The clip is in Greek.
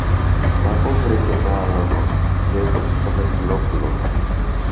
Μα πού το βρήκε το άλογο; διέκοψε το Βασιλόπουλο.